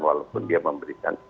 walaupun dia memberikan